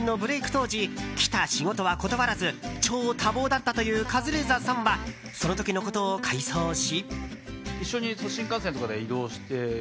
当時来た仕事は断らず超多忙だったというカズレーザーさんはその時のことを回想し。